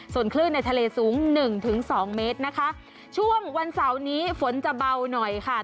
ส่วนคลื่นในทะเลสูงหนึ่งถึงสองเมตรนะคะช่วงวันเสาร์นี้ฝนจะเบาหน่อยค่ะ